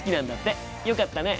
よかったね。